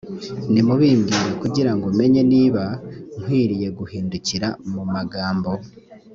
nimubimbwire kugira ngo menye niba nkwiriye guhindukira mu magambo.